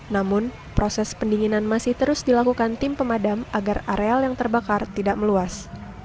namun proses pendinginan masih terus dilakukan tim pemadam agar areal yang terbakar tidak meluas